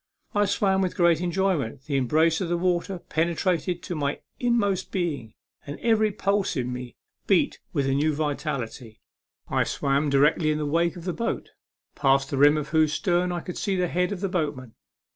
I swam with great enjoyment ; the embrace of the water pene trated to my inmost being, and every pulse in me beat with a new vitality. I swam A MEMORABLE SWIM. 71 directly in the wake of the boat, past the rim of whose stern I could see the head of the boat man.